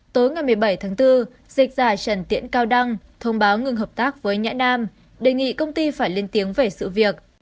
tối ngày một mươi bảy tháng bốn dịch giả trần tiễn cao đăng thông báo ngừng hợp tác với nhã nam đề nghị công ty phải lên tiếng về sự việc